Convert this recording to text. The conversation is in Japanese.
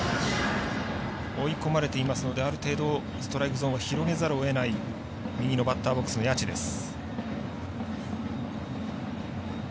追い込まれていますのである程度、ストライクゾーンを広げざるをえない右のバッターボックスの谷内です。